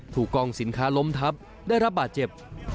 กองสินค้าล้มทับได้รับบาดเจ็บ